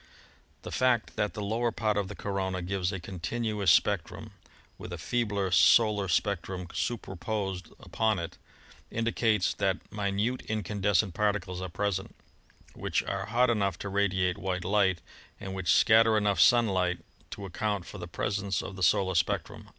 The fact that the lower part of the corona gives a continuous spec trum, with a feebler solar spectrum superposed upon it, indicates that minute incandescent particles are present, which are hot enough to radiate white light, and which scatter enough sunlight to account for the presence of the solar spectrum.